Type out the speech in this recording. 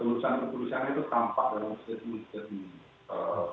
ketulusan ketulusan itu tampak dalam istri istri kita